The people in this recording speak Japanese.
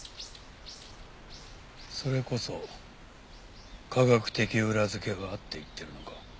それこそ科学的裏付けがあって言ってるのか？